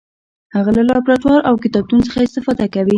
هغه له لابراتوار او کتابتون څخه استفاده کوي.